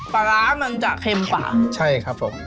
ปลาร้ามันจะเค็มปากใช่ครับผม